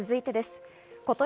続いてです。